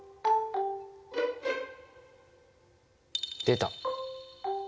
出た。